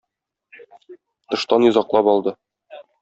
Тыштан йозаклап алды.